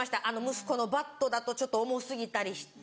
息子のバットだとちょっと重過ぎたりして。